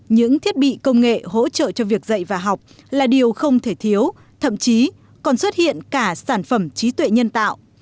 những thiết bị công nghệ hỗ trợ cho việc dạy và học là điều không thể thiếu thậm chí còn xuất hiện cả sản phẩm trí tuệ nhân tạo